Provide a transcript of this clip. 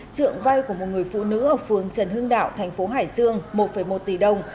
trượng vay của một người phụ nữ ở phường trần hưng đạo thành phố hải dương một một tỷ đồng